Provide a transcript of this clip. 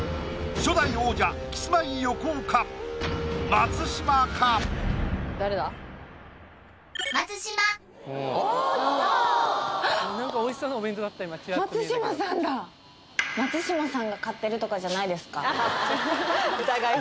松嶋さんが買ってるとかじゃないですか？